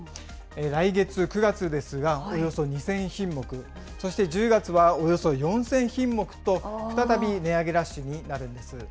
来月・９月ですが、およそ２０００品目、そして１０月はおよそ４０００品目と、再び値上げラッシュになるんです。